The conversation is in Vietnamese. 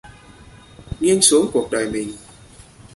Nghiêng xuống cuộc đời mình